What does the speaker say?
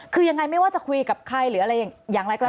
คือยังไงไม่ว่าจะคุยกับใครหรืออะไรอย่างไรก็แล้ว